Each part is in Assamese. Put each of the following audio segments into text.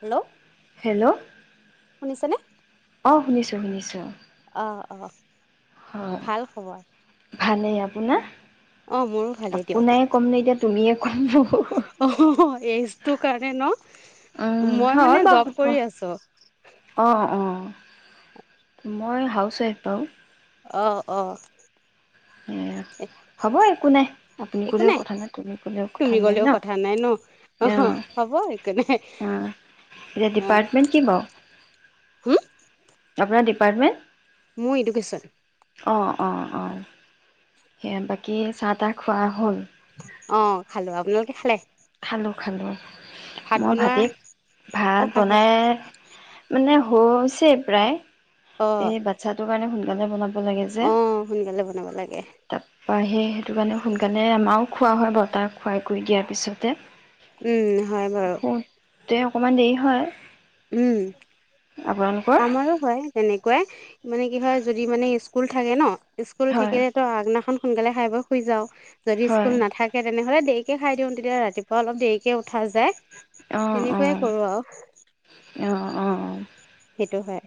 হেল্ল'। হেল্ল'। শুনিছেনে? অ শুনিছোঁ শুনিছোঁ। অ অ। অ ভাল খবৰ। ভালেই অ। শুনা। অ মোৰো ভালেই দিয়ক। তুমিয়ে ক'ম অহ হ এজটো কাৰণে ন? উম মই হয় মানে জব বাৰু কৰি আছো। অঁ অঁ মই হাউচ ৱাইফ বাৰু। অ অ হ'ব একো নাই আপুনি ক'লেও কথা নাই তুমি ক'লেও কথা তুমি নাই গ'লেও ন। কথা নাই ন। অ হ'ব একো নাই অ এতিয়া অ', ডিপাৰ্টমেণ্ট কি বাৰু? হম আপোনাৰ ডিপাৰ্টমেণ্ট? মোৰ এডুকেশ্যন। অ অ অ। সেয়া বাকী চাহ-তাহ খোৱা হ'ল? অ খালো আপোনালোকে খালে? খালো খালো। ভাত মই বনোৱা ভাতেই, ভাত অ', বন বনাই মানে হৈছে প্ৰায়। অ', এই বাচ্ছাটো। মায়ে সোনকালে বনাব লাগে যে অ', সোনকালে বনাব লাগে। তাৰ পা সে সেইটো কাৰণে সোনকালে আমাৰ খোৱা হয় বতাহ খুৱাই কৰি দিয়াৰ পিছতে উম হয় বাৰু। তেওঁ অকণমান দেৰি হয়। উম আপোনালোকৰ আমাৰো হয় তেনেকুৱাই মানে কি হয় যদি মানে স্কুল থাকে ন স্কুল হয় থাকিলে তো আগদিনাখন সোনকালে খাই বৈ শুই যাওঁ যদি হয় স্কুল নাথাকে তেনেহ'লে দে খাই দিওঁ তেতিয়া ৰাতিপুৱা অলপ দেৰিক খাই যায়, অঁ অঁ তেনেকোৱাই কৰোঁ আৰু অঁ অঁ সেটো হয়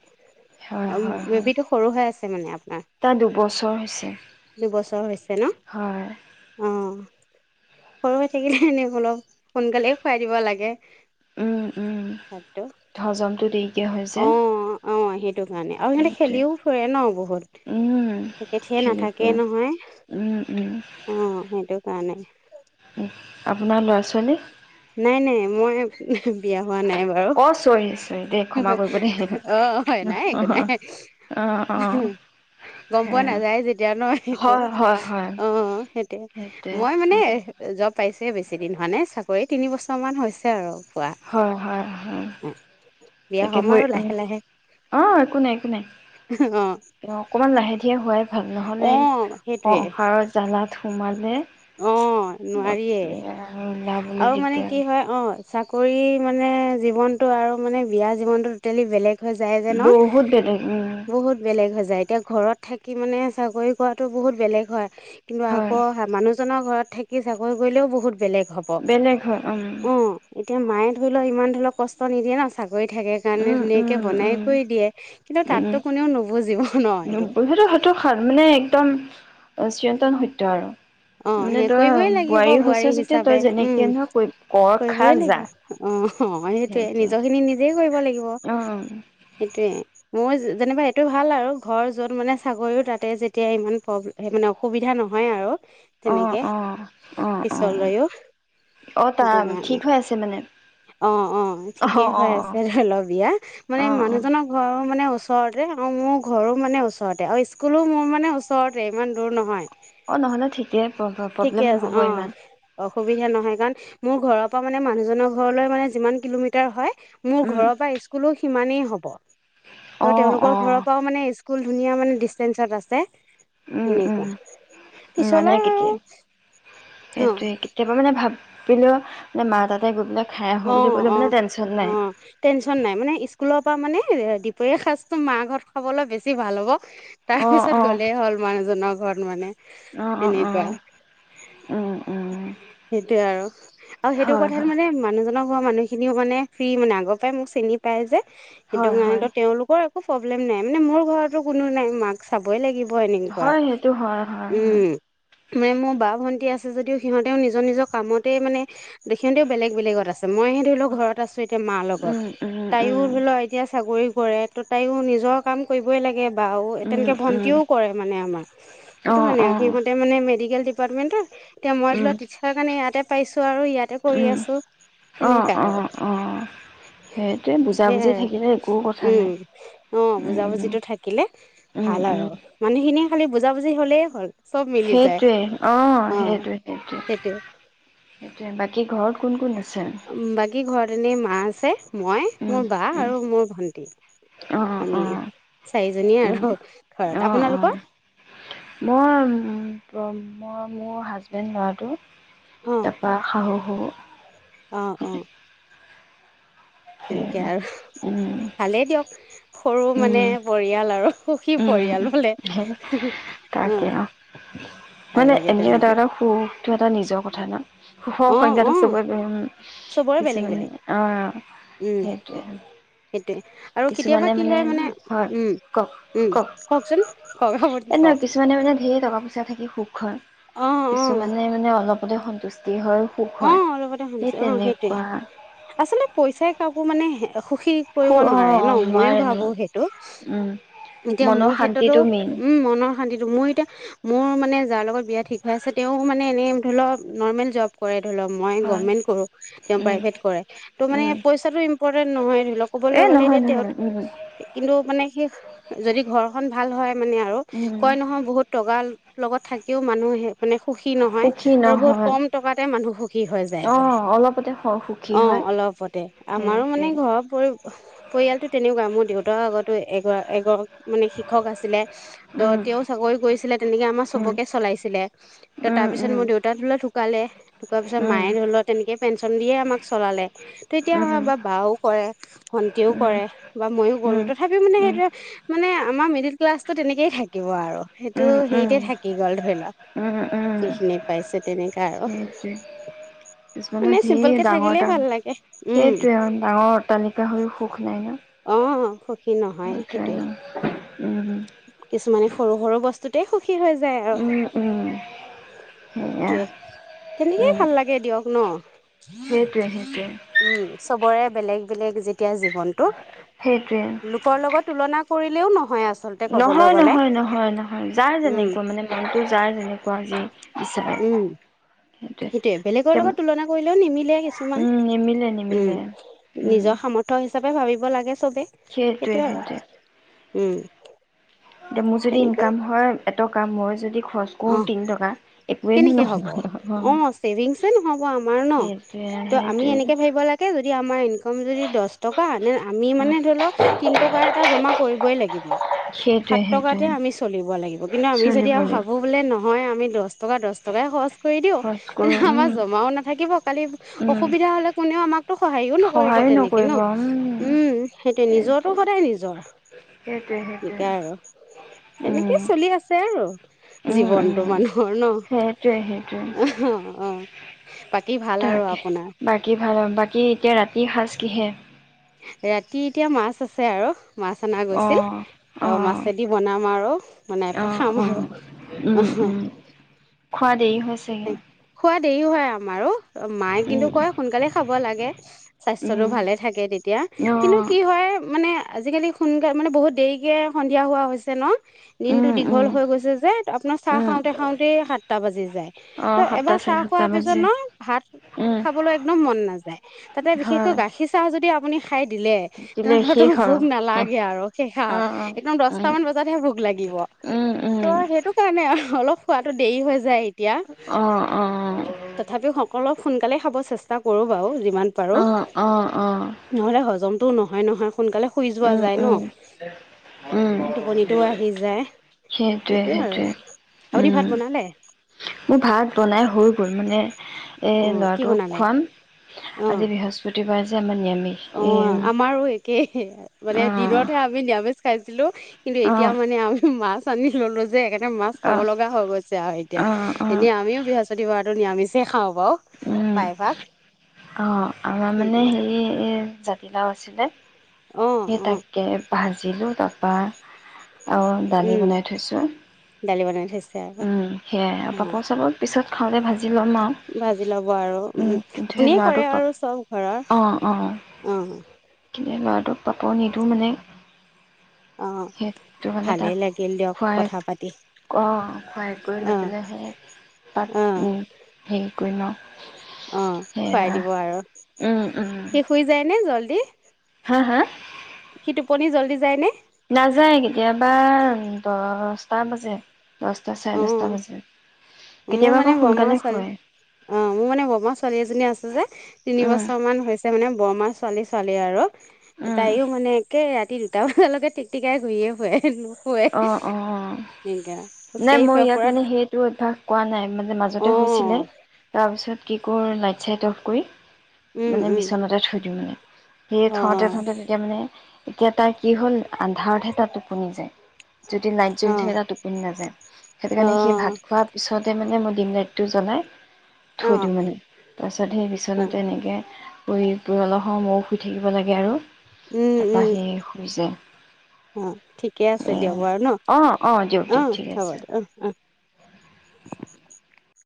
হয় অ হয় হয় বেবীটো সৰুহে আছে মানে আপোনাৰ তাৰ দুবছৰ হৈছে দুবছৰ হৈছে ন হয় অ সৰু হৈ থাকিলেনে অলপ সোনকালে খুৱাই দিব লাগে উম, উম। ভাতটো হজমটো দেৰিকৈ হয় যে অ আহ সেইটো কাৰণে আৰু সিহঁতে সেইটোৱে খেলিও ফুৰে ন বহুত উম, একেঠিয়ে খেলি ফুৰে নাথাকেই নহয় উম, অ সেইটো কাৰণে উ আপোনাৰ ল'ৰা ছোৱালী নাই নাই মই বিয়া হোৱা নাই বাৰু অ' চৰি চৰি দেই ক্ষমা কৰিব দেই হিহিহি‌ অ হয় নাই একো অঁ নাই অঁ অঁ গম পোৱা হয় নাযায় যেতিয়া নো একো হয় হয় অ সেইটোৱে মই মানে জব পাইছো বেছি দিন হোৱা নাই তিনি বছৰমান হৈছে আৰু পোৱা হয় হয় হয় বিয়া তাকে হ'ম মই আৰু লাহে লাহে অ একো নাই একো নাই অ অকমান লাহে ধীৰে হোৱাই ভাল অ নহলে সেইটোৱে সংসাৰৰ জ্বালা সোমালে অ বাপৰে আৰু নোৱাৰিয়ে ওলাবলৈ আও মানে দিগদাৰ কি হয় অ চাকৰি মানে জীৱনটো আৰু মানে বিয়া জীৱনটো টোটেলি বেলেগ সজায় যে ন বহুত বেলেগ উম বহুত বেলেগ সজায় এতিয়া ঘৰত থাকি মানে চাকৰি কৰাটো বহুত বেলেগ হয় কিন্তু হয় আকৌ মানুহ জনৰ ঘৰত থাকি চাকৰি কৰিলেও বহুত বেলেগ হ'ব বেলেগ হয় উম অ এতিয়া মায়ে ধৰি ল ইমান ধৰি ল কষ্ট নিদিয়ে ন চাগে কৰি থাকে কাৰণে উম ধুনীয়াকে উম বনাই উম কৰি দিয়ে, কিন্তু উম তাতো কোনেও নুবুজিব ন এইটো সেইটো সেইটো মানে একদম চিৰন্তন সত্য আৰু অ মানে সেই কৰিবই তই লাগিব বোৱাৰী হৈছ যেতিয়া তই হিচাপে উম যেনেকে নহয় কৈ কৰ খা কৰিবই যা লাগিব অ সেইটোয়ে, সেইটোৱে নিজৰ খিনি নিজেই কৰিব লাগিব অ', সেইটোৱে মোৰ যে - যেনিবা এইটোয়ে ভাল আৰু ঘৰ যত মানে চাকৰিও তাতে যেতিয়া ইমান প্ৰব্লে - মানে অসুবিধা নহয় আৰু। অ', তেনেকে অ', অ', অ', পিছলৈও অ', সেইটো তাৰ ঠিক কাৰণে হৈ আছে মানে অ অ অ', ঠিকেই হৈ অ', আছে। ধৰি লওঁ, বিয়া মানে অ', অ', মানুহজনৰ ঘৰৰ মানে চৰতে। আৰু মোৰ ঘৰো মানে ওচৰতে আৰু স্কুলো মোৰ মানে ওচৰতে, ইমান দূৰ নহয়। অ', নহলে ঠিকে। ঠিকে আছে অ', অসুবিধা নহয় কাৰণ মোৰ ঘৰত পা মানে মানুহজনৰ ঘৰলৈ মানে যিমান কিলোমিটাৰ হয় মোৰ উম, ঘৰৰ পৰা স্কুলো সিমানেই হ'ব। ত' অ', তেওঁলোকৰ ঘৰৰ অ', পৰাও মানে স্কুল ধুনীয়া মানে ডিষ্টেন্সত আছে। উম, উম, সেনেকুৱা। মানে পিছলৈ আৰু কেতিয়া অ', সেইটোৱে কেতিয়াবা মানে ভাব [unintelligible] মাৰ তাতে গৈ পেলে অ', অ', অ'। টেনচন নাই। মানে স্কুলৰ পৰা মানে দুপৰীয়াৰ সাজটো মা ঘৰত খাবলৈ বেছি ভাল হ'ব। তাৰ অ', পিছত অ', গ'লেই হ'ল মানুহজনৰ ঘৰত মানে, অ', অ', তেনেকুৱা। অ', উম, উম, সেইটোৱে আৰু, আৰু সেইটো হয়, কথাত হয়, মানে মানুহজনক [unintelligible] মানুহখিনিও মানে ফ্ৰী মানে। আগৰ পৰাই মোক চিনি পায় যে। সেইটো হয়, হয়, কাৰণেতো তেওঁলোকৰ [unintelligible] প্ৰব্লেম নাই। মানে, মোৰ ঘৰতো কোনো নাই। মাক চাবই লাগিব। হয়, [unintelligible] সেইটো হয়, হয়, হয়, উম। মানে মোৰ বা ভণ্টি আছে। যদি সিহঁত তেওঁ নিজৰ নিজৰ কামতেই মানে তেখেতেঁও বেলেগ বেলেগত আছে। মইহে ধৰি ল ঘৰত আছোঁ এতিয়া মাৰ লগত, উম, উম, তাইও উম, ধৰি ল এতিয়া চাকৰি কৰে। তো তাইও নিজৰ কাম কৰিবই লাগে। বাউ এ তেন উম, কে উম, ভন্টিও কৰে মানে আমাৰ। সিটো অ', মানে অ', সিহঁতে মানে মেডিকেল ডি পাৰ্টমেণ্টৰ তে মই উম, তাৰ কাৰণে ইয়াতেই পাইছোঁ আৰু ইয়াতেই কৰি উম, আছোঁ। অ', তেনেকা আৰু অ', অ', সেইটোৱে বুজাবুজি সেইয়াই থাকিলে একো কথা নাই। উম অ বুজা উম, বুজিটো থাকিলে উম, ভাল আৰু উম, মানুহখিনিয়ে খালি বুজাবুজি হ'লেই হ'ল। চব মিলি যায় সেইটোৱেই অ সেইটোৱে সেইটোৱে সেইটোৱে। কি ঘৰত কোন কোন আছে? বাকী ঘৰত এনেই মা আছে, মই, উম, মোৰ বা, উম, আৰু মোৰ ভন্টি। অ' আমি অ' চাৰিজনীয়ে আৰু উম্‌ ঘৰত। অ' আপোনালোকৰ? অ'- মই- প মই, মোৰ হাজবেণ্ড ল'ৰাটো অ', তাৰপৰা শাহুু-শহুৰ অ' উ তেনেকে সেয়া আৰু- উম, ভালেই দিয়ক। সৰু মানে উম, পৰিয়াল আৰু। সুখী উম, পৰিয়ালো। হলে- সেই সেহহে অ'- ভাল মানে লাগে এনে এটা তেনেকে। এটা সুখ-টো এটা নিজৰ কথা ন? সুখৰ অ', সংজ্ঞাটো অ', চবৰে বেলেগ বেলেগ। চবৰে-উম্‌-কিছুমান-আ' উম, সেইটোৱে। সেইটোৱে আৰু কেতিয়াবা কিছুমানে কি মানে হয় হয় কওক কওক মানে-উম্‌-উম্‌ কওঁকচোন কওক এই আপুনি নহয় কওঁক। কিছুমানে মানে ধেৰ টকা পইচা থাকি সুখ হয়। কিছুমানে মানে অলপতে সন্তুষ্ট- অ' অলপতে সন্তুষ্ট, অ' সেইটোৱে তেনেকুৱা আচলতে পইচাই। কাকো মানে হে সুখী সু কৰিব অ' নোৱাৰে ন। ময়ো নোৱাৰে ভাবো নোৱাৰে সেইটো। উম এতিয়া মনৰ মোৰ ক্ষেত্ৰতো, শান্তিটো মেইন উম্‌ মনৰ শান্তিটো মোৰ এতিয়া - মোৰ মানে যাৰ লগত বিয়া ঠিক হৈ আছে তেওঁও মানে এনেই ধৰি লওঁক নৰ্মেল জব্‌ কৰে। ধৰি লওক মই হয় গৰ্ভমেণ্ট কৰোঁ, তেওঁ উম প্ৰাইভেট কৰে। তো মানে উম পইছাটো ইম্পৰটেণ্ট নহয় ধৰি লওঁক ক'বলৈ এ গলে নহয় এতিয়া নহয় তেওঁত- উম কিন্তু মানে সেই -যদি ঘৰখন। ভাল হয়। মানে আৰু উম কয় নহয় বহুত টগা লগত। থাকিও মানুহে মানে সুখী নহয় সুখী আৰু বহুত নহয় কম। টকাতে মানুহ সুখী হৈ যায়গৈ। অ' অলপতে সুখী অ' হয় অলপতে। আমাৰো মানে সেইটোৱে ঘৰৰ পৰি - পৰিয়ালটো তেনেকুৱায়ে। মোৰ দেউতাৰো আগতো এগৰা। এগল মানে শিক্ষক আছিলে। তো উম তেওঁ চাকৰি কৰিছিলে তেনেকে আমাৰ উম চবকে চলাইছিলে। তো উম তাৰ পিছত উম মোৰ দেউতা ধোলে ধোক। কালে ধুকোৱা পিছত উম মায়ে ধৰি লোৱা তেনেকে। পেঞ্চন দিয়ে আমাক চলালে। তো উম এতিয়া-বা- বাও কৰে, ভন্টিয়েও উম কৰে বা মইও কৰোঁ। উম, তথাপিও মানে উম, এইটোৱে- মানে আমাৰ মিডোল ক্লাছতো তেনেকেই থাকিব আৰু! সেইটো উম, হেৰিতে উম, থাকি গ'ল ধৰি লওক। উম, উম, যিখিনি পাইছে তেনেকে। সেইটোৱে। কিছুমান চিম্পুল ধেৰ কে ডাঙৰ থাকিলেই ডাঙ ভাল লাগে উম সেইটোৱে ডাঙৰ অটালিকা হৈও সুখ নাই অ', সুখী নহয় ন। সেইটোয়ে সেইটোৱে উম উম কিছুমানে উম। সৰু সৰু বস্তুতে সু। সুখী হৈ যায় আৰু সেয়া সেইটোৱে। কেনেকেই উম, ভাল লাগে দিয়ক ন। সেইটোৱে সেইটোৱে উম চব কৰে বেলেগ বেলেগ যে। এতিয়া জীৱনটো সেইটোৱে লোকৰ লগত তুলনা কৰিলেও নহয় আ। নহয় নহয় নহয় নহয় যাৰ উম যেনেকুৱা মানে মনটো যাৰ যেনেকুৱা যি বিচাৰে। সেইটোৱে বেলেগৰ লগত তুলনা কৰিলেও নিমিলে কিছুমান। উম, নিমিলে উম নিমিলে উম, নিজৰ সামৰ্থ‌ হিচাপে ভাবিব লাগে চবে, সেইটোৱে আৰু। উম। এতিয়া মোৰ যদি তেনেকৈ ইনকাম হয় এটকা ম। যদি। খৰচ কৰো অ', তিন টকা। একোৱেই কেনেকে নহ'ব হ'ব? নহয় অ ছেভিংছে নহ'ব আমাৰ ন। সেইটোৱে ত' আমি সেইটোৱে এনেকে ভাবিব লাগে যদি [unintelligible] আমাৰ ইন কম যদি দহ টকা নে আমি মানে ধৰি লওঁক তিন টকা এটা জমা কৰিবই লাগিব। সেইটোৱে সাত টকাতে সেইটোৱে আমি চলিব লাগিব কিন্তু আমি যদি আৰু চলিবলৈ ভাবো বোলে নহয় আমি দহ। এটকা টকা দহ টকাই খৰচ কৰি দিও খৰচ কৰোঁ তেতিয়া আমাৰ উম জমাও নাথা কিব। কালি উম অসুবিধা হ'লে কোনেও আমাকতো সহায়ো নকৰিব তেনেকে ন। নকৰিব উম উম, সেইটোৱে নিজৰটো সদায় নিজৰ। সেইটোৱে সেইটোৱে নিকা আৰু, তেনেকেই উম চলি আছে আৰু। উম জীৱনতটো উম মানুহ- সেইটোৱে অ বাকী সেইটোৱে। ভাল আৰু তাকে আপোনাৰ বাকী ভাল বাকী এতিয়া ৰাতি সাজ কিহে? ৰাতি এতিয়া মাছ আছে আৰু। মাছ অনা গৈছিল। অঁ ত' অঁ মাছেদি বনাম আৰু বনাই পেলাই অঁ খাম অঁ আৰু। উম অহ উম খোৱা দেৰি হৈছেগে সোৱাদ দেৰি হয় আমাৰ অ'। মায়ে কিন্তু উম কয় সোনকালে খাব লাগে স্বাস্থ্যতটো উম ভালে থাকে তে এতিয়া অ', কিন্তু কি হয় মানে, আজিকালি সোনকালে মানে বহুত দেৰিকে সন্ধিয়া হোৱা হৈছে ন',? দিনতটো উম, দীঘল উম, হৈ গৈছে যে আপোনাৰ চাহ উম, খাওঁতে -খাওঁতে সাতটা বাজি যায়। ত', অ', সাতটা এবাৰ চাৰে চাহ সাতটা খোৱাৰ পিছত বাজে। ন', ভাত উম, খাবলৈ একদম মন নাযায়। তাতে বিশেষকৈ হয়, গাখীৰ চাহ যদি আপুনি খাই দিলে, দিলে তেনেহ'লেটো শেষ আৰু ভুক হুহ, নালাগে আৰু হেই খাওঁ, অ', অ', এতিয়া উম। দস্তামান বজাত ভুক লাগিব। উম, ত', উম, সেইটোকাৰনে অলপ খোৱাতো দেৰি হৈ যায়। এতিয়া অহ অ অ তথাপিও সকলো সোনকালে খাব চেষ্টা কৰো বাৰু যিমান আহ আহ আহ হজমটোও নহয় নহয় সোনকালে শুই যোৱা যায় ন উম। উম, টোপনিটোও আহি যায় সেইটোৱে আৰু আপুনি ভাত উম, বনালে মোৰ ভাত বনাই হৈ গ'ল মানে এ অ কি ল'ৰাটোক বনালে খোৱাম অ আজি বৃহস্পতিবাৰ [inaudible] নে মোনিয়াম অ আমাৰো একেই মানে অ', দিনতহে আমি নিৰামিষ খাইছো কিন্তু এতিয়া অ', মানে আমি মাছ [inaudible] [unintelligible] ললো যে মাছ খাব অ', লগা হৈ গৈছে আৰু এতিয়া অ', অ', অ', এনেয়া আমিও বৃহস্পতি বাৰতটো নিৰামিছ দে খাওঁ উম। পাই ভাগ অ আমাৰ মানে হেৰি এ জাতিলাও আছিলে অ সেই অ তাকে ভাজ [inaudible] আৰু দালি উম বনাই থৈছোঁ দালি বনাই থৈছে আৰু সেয়াই আৰু পাপৰ অ' চাপৰ পিছত খাওঁতে ভাজি ল'ম আৰু ভাজি লব আৰু উম কিন্তু সেই আপুনিয়ে কৰে ল'ৰাটোক পাপ আৰু চব ঘৰৰ অ এই লৰাটোক পাপৰ নিদিওঁ মানে অ'। সেইটো মানে ভালেই তাক লাগিল দিয়ক খোৱাই কথা পাতি কওঁ খুৱাই কৰি লৈ অ', পেলাই সেই অ', তাত সেই কৰি লও [inaudible] অ খুৱাই দিব আৰু উম, উম, সি শুই যায় নে জল [inaudible] কি হা হা সি টোপনি জলদি যায় নে নাযায় কেতিয়াবা দহটা বাজে দহটা চাৰে অ দহটা বাজে। মোৰ কেতিয়াবা মানে আকৌ বৰমা সোনকালে ছোৱালী শুৱে অ মোৰ মানে বৰমা ছোৱালী এজনী আছে যে তিনি উম বছৰ মান হৈছে মানে বৰমা ছোৱালি ছোৱালীয়ে আৰু উম তাইও মানে একে তিনিটা বজালৈকে টিক-টিকাই ঘূৰিয়েই ফুৰে। ফুৱে, অ অ অ এংকা নাই, মই ইয়াক মানে সেইটো অভ্যাস কোৱা নাই, মানে মাজতে হৈছিলে, অ', তাৰ তাৰপিছত কি কৰ লাইট-চাইট অফ কৰি? উম, মানে উম, বিচনাতে থৈ দিওঁ মানে। সেই থওঁতে অ', থওঁতে তেতিয়া মানে এতিয়া তাই কি হ'ল, আন্ধাৰতহে তাই টোপনি যায়। যদি লাইট জ্বলি অ', থাকে, তাই টোপনি নাযায়। সেইটো কাৰণে সি অ'। ভাত খোৱাৰ পিছতে মানে ম- দিম লাইটটো জ্বলাই- অ', থৈ অ', দিওঁ মানে। তাৰপিছত সেই উম, বিচনাতে এনেকে- কৰি এইবোৰ, অলপ সময় ময়ো শুই থাকিব লাগে আৰু। তাৰপৰা সি শুই যায়। অহ। ঠিকে আছে দেওবাৰ‌ ন? অঁ অঁ দিয়ক দিয়ক অহ, ঠিক হ'ব আছে দিয়ক। অহ, অহ। [unintelligible]